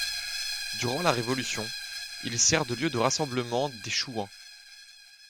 Durant la Révolution, il sert de lieu de rassemblement des Chouans.